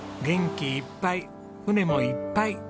元気いっぱい船もいっぱい。